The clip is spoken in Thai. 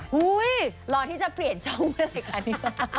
หุ้ยรอที่จะเปลี่ยนช่องรายการนี้